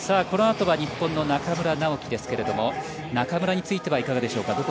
この後は日本の中村直幹ですが中村についてはいかがでしょうか？